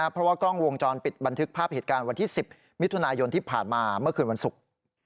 เพราะว่ากล้องวงจรปิดบันทึกภาพเหตุการณ์วันที่๑๐มิถุนายนที่ผ่านมาเมื่อคืนวันศุกร์